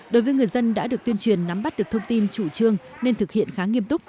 đối với người dân đã được tuyên truyền nắm bắt được thông tin chủ trương nên thực hiện khá nghiêm túc